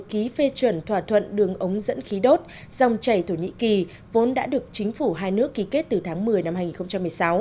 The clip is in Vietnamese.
tổng thống nga vladimir putin vừa ký phê chuẩn thỏa thuận đường ống dẫn khí đốt dòng chảy thổ nhĩ kỳ vốn đã được chính phủ hai nước ký kết từ tháng một mươi năm hai nghìn một mươi sáu